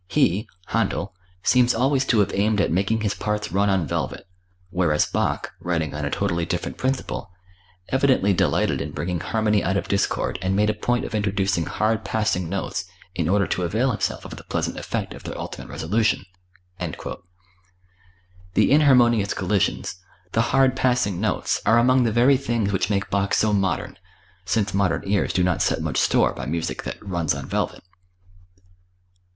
He (Händel) seems always to have aimed at making his parts run on velvet; whereas Bach, writing on a totally different principle, evidently delighted in bringing harmony out of discord and made a point of introducing hard passing notes in order to avail himself of the pleasant effect of their ultimate resolution." The "inharmonious collisions," the "hard passing notes" are among the very things which make Bach so modern; since modern ears do not set much store by music that "runs on velvet."